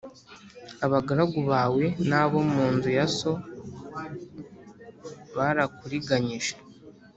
Abagaragu bawe n’abo mu nzu ya so barakuriganyije